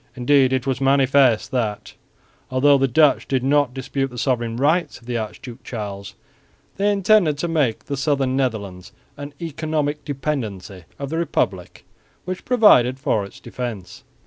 Indeed it was manifest that, although the Dutch did not dispute the sovereign rights of the Archduke Charles, they intended to make the southern Netherlands an economic dependency of the Republic, which provided for its defence.